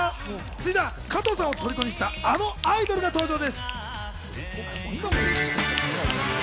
続いては加藤さんを虜にしたあのアイドルが登場です。